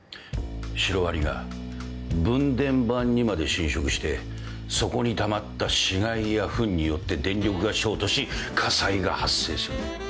シロアリが分電盤にまで侵食してそこにたまった死骸やふんによって電力がショートし火災が発生する。